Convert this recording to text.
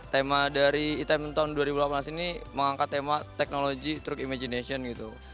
tema dari e time tahun dua ribu delapan belas ini mengangkat tema teknologi through imagination gitu